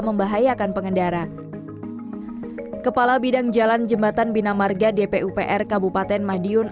membahayakan pengendara kepala bidang jalan jembatan binamarga dp upr kabupaten madiun